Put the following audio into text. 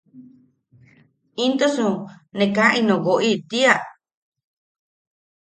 ¿Intosu ne kaa ino woʼi tiia?